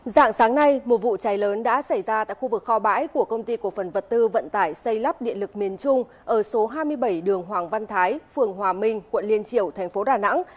dạng sáng nay một vụ cháy lớn đã xảy ra tại khu vực kho bãi của công ty cổ phần vật tư vận tải xây lắp điện lực miền trung ở số hai mươi bảy đường hoàng văn thái phường hòa minh quận liên triều thành phố đà nẵng